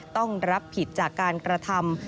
ต้องรับผิดจากการกระทำ